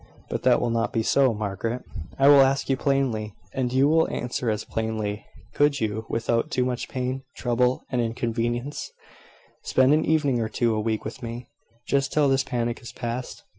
But that will not be so, Margaret, I will ask you plainly, and you will answer as plainly could you, without too much pain, trouble, and inconvenience, spend an evening or two a week with me, just till this panic is passed?